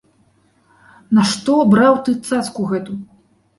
Нашто браў ты цацку гэту?